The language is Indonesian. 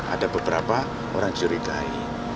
ada beberapa orang curigai